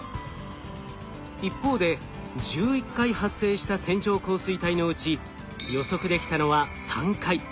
一方で１１回発生した線状降水帯のうち予測できたのは３回。